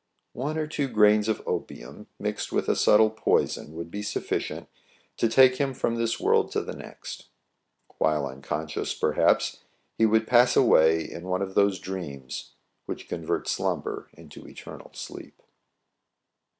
One or two grains of opium mixed with a subtle poison would be suffi cient to take him from this world to the next. While unconscious, perhaps, he would pass away in one of those dreams which convert slumber into eternal sleep.